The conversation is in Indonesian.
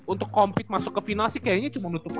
untuk kompit masuk ke final sih kayaknya ga ada yang bisa naan ya